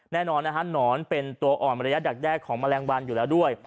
แน่นอนนะฮะหนอนเป็นตัวอ่อนระยะดักแรกของแมลงวันอยู่แล้วด้วย